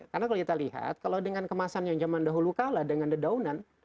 karena kalau kita lihat kalau dengan kemasan yang zaman dahulu kalah dengan dedaunan